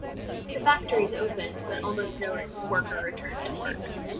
The factories opened but almost no worker returned to work.